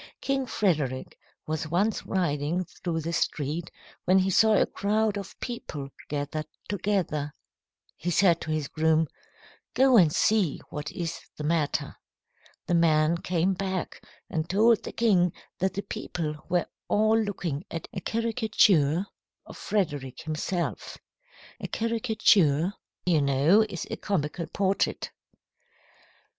King Frederick was once riding through the street when he saw a crowd of people gathered together. He said to his groom, 'Go and see what is the matter.' The man came back and told the king that the people were all looking at a caricature of Frederick himself. A caricature, you know, is a comical portrait.